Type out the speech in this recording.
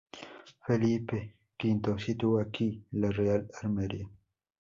Felipe V situó aquí la Real Armería.